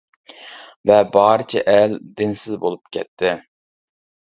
ۋە بارچە ئەل دىنسىز بولۇپ كەتتى.